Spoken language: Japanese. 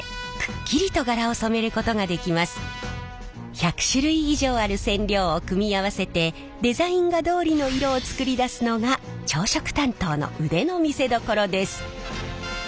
１００種類以上ある染料を組み合わせてデザイン画どおりの色を作り出すのが調色担当の腕の見せどころです。